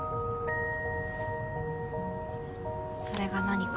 それが何か？